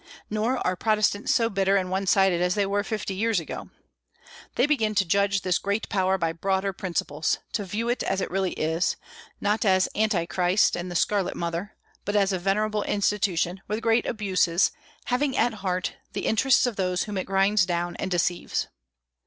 Nor are Protestants so bitter and one sided as they were fifty years ago. They begin to judge this great power by broader principles; to view it as it really is, not as "Antichrist" and the "scarlet mother," but as a venerable institution, with great abuses, having at heart the interests of those whom it grinds down and deceives.